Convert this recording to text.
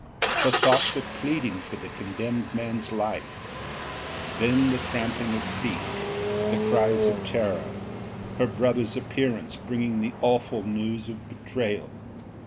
Her thoughts of pleading for the condemned man's life: then the tramping of feet, the cries of terror, her brother's appearance bringing the awful news of betrayal.